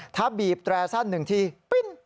ถ้าบีบแตรสั้น๑ทีปีน